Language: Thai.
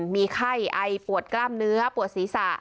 มีไข้ไอปวดกล้ามเนื้อปวดศีรษะ